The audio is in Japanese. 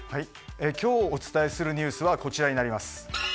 今日、お伝えするニュースはこちらになります。